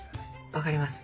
分かります。